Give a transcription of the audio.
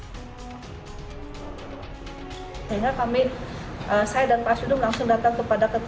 sehingga kami saya dan pak sudung langsung datang kepada ketua